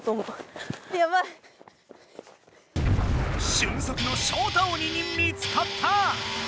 俊足のショウタ鬼に見つかった！